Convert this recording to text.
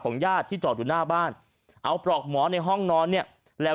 ญาติที่จอดอยู่หน้าบ้านเอาปลอกหมอในห้องนอนเนี่ยแล้ว